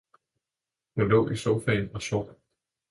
Hun lå i sofaen og sov.